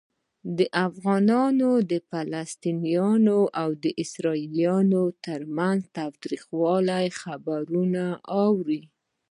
افغانان د فلسطینیانو او اسرائیلیانو ترمنځ د تاوتریخوالي خبرونه اوري.